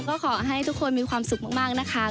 ก็ขอให้ทุกคนมีความสุขมากนะคะ